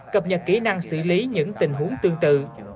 cập nhật kỹ năng xử lý những tình huống tương tự